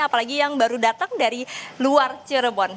apalagi yang baru datang dari luar cirebon